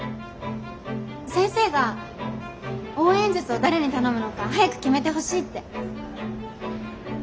先生が応援演説を誰に頼むのか早く決めてほしいって。